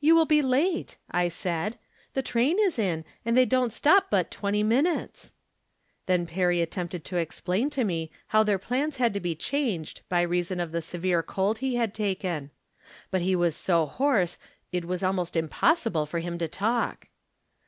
"You will be late," I said. " The train is in, and they don't stop but twenty minutes." Then Perry attempted to explain to me how their plans had to be changed by reason of the severe cold he had taken. But he was so hoarse it was almost impossible for him to talk.